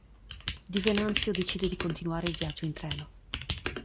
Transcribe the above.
Di Venanzio decide di continuare il viaggio in treno.